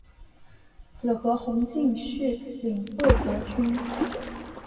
子何弘敬续领魏博军。